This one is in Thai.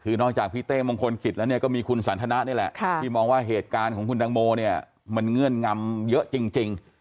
คือนอกจากพี่เต้มงคลเขียนแล้วก็มีคุณสันทนะนี่แหละที่มองว่าเหตุการณ์ของดังโมมันเงื่อนงำเยอะจริง